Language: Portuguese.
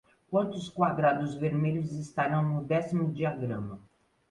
Quantos quadrados vermelhos estarão no décimo diagrama?